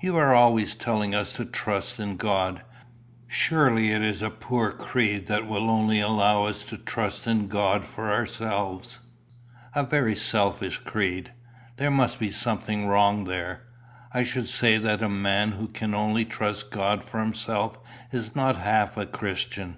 You are always telling us to trust in God. Surely it is a poor creed that will only allow us to trust in God for ourselves a very selfish creed. There must be something wrong there. I should say that the man who can only trust God for himself is not half a Christian.